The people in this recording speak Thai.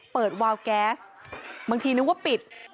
วาวแก๊สบางทีนึกว่าปิด